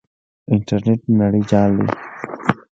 انټرنیټ د نړۍ جال دی.